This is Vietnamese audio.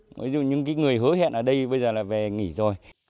ví dụ như những người hứa hẹn ở đây bây giờ là về nghỉ rồi